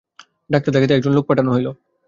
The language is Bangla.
ডাক্তার ডাকিতে একজন লোক পাঠানো হইল।